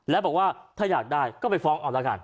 และบอกว่าถ้าอยากได้ก็ไปฟ้องเอาละกัน